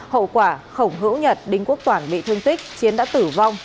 hậu quả khổng hữu nhật đinh quốc toàn bị thương tích chiến đã tử vong